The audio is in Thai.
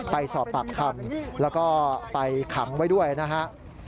ไปสอบปากคำแล้วก็ไปขังไว้ด้วยนะฮะ